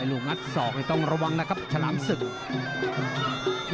ให้ลูกนัดสอบก็ต้องระวังนะครับฉลามสึก